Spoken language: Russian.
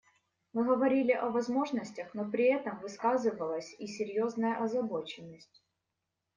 Мы говорили о возможностях, но при этом высказывалась и серьезная озабоченность.